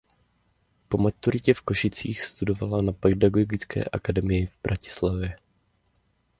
Po maturitě v Košicích studovala na Pedagogické akademii v Bratislavě.